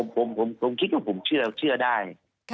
ผมคิดถึงผมเชื่อฉันเชื่อได้